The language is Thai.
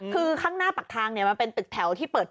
คือข้างหน้าปากทางมันเป็นตึกแถวที่เปิด